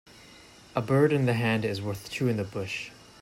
A bird in the hand is worth two in the bush.